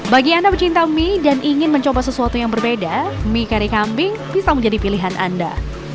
bagi anda pecinta mie dan ingin mencoba sesuatu yang berbeda mie kari kambing bisa menjadi pilihan anda